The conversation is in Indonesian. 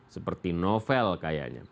seperti novel kayaknya